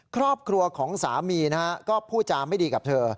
ครอบครัวของสามีนะฮะก็พูดจาไม่ดีกับเธอ